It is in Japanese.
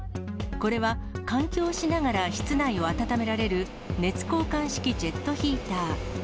これは換気をしながら、室内を暖められる熱交換式ジェットヒーター。